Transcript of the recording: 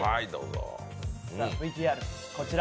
ＶＴＲ、こちら。